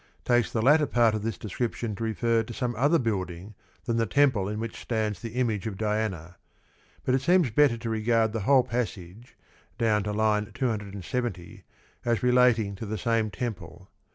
184) takes the latter part of this description to refer to some other building than the temple in which stands the image of Diana ; but it seems bcttci to regard the whole passage, down to line 270, as relating to the same temple.